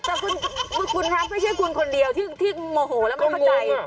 แต่คุณคะไม่ใช่คุณคนเดียวที่โมโหแล้วไม่เข้าใจ